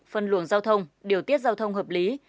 phân luồng giao thông điều tiết giao thông hợp lý